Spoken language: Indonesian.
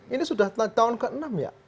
ini sudah tahun ke enam ya